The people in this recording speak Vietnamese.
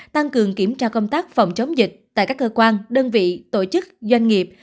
tăng cường kiểm tra công tác phòng chống dịch tại các cơ quan đơn vị tổ chức doanh nghiệp